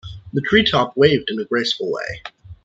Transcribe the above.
The tree top waved in a graceful way.